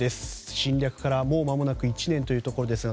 侵略から、もうまもなく１年というところですが